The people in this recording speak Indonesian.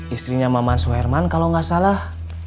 istrinya mamansu herman kalau nggak salah